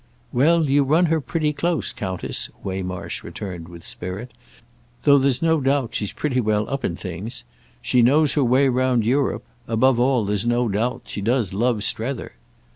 "Well, you run her pretty close, Countess," Waymarsh returned with spirit; "though there's no doubt she's pretty well up in things. She knows her way round Europe. Above all there's no doubt she does love Strether."